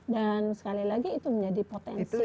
dan sekali lagi itu menjadi potensi indonesia